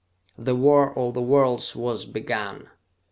The war of the worlds was begun!